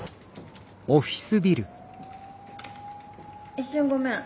一瞬ごめん。